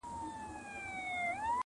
ستا د هستې شهباز به ونڅوم-